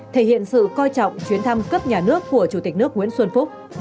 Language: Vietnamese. thể hiện sự coi trọng chuyến thăm cấp nhà nước của chủ tịch nước nguyễn xuân phúc